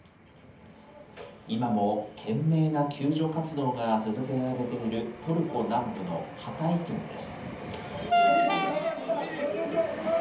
今も懸命な救助活動が続けられているトルコ南部のハタイ県です。